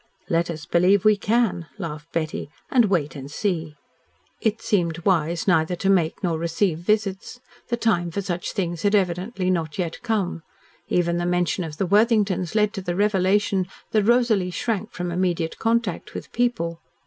"Let us believe we can," laughed Betty. "And wait and see." It seemed wise neither to make nor receive visits. The time for such things had evidently not yet come. Even the mention of the Worthingtons led to the revelation that Rosalie shrank from immediate contact with people.